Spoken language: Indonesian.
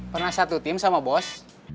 pernah satu tim sama bos